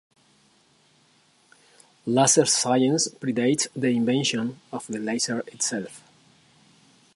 Laser science predates the invention of the laser itself.